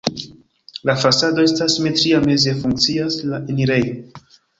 La fasado estas simetria, meze funkcias la enirejo.